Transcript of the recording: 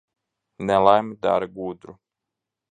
Nelaime dara gudru.